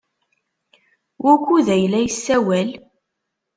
Wukud ay la yessawal?